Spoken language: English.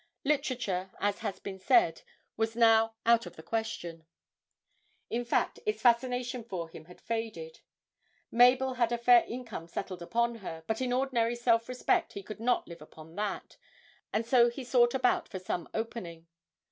Literature, as has been said, was now out of the question; in fact, its fascination for him had faded. Mabel had a fair income settled upon her, but in ordinary self respect he could not live upon that, and so he sought about for some opening.